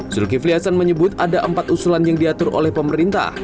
zulkifli hasan menyebut ada empat usulan yang diatur oleh pemerintah